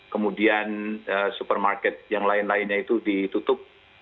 kemudian supermarket yang lain lainnya itu ditutup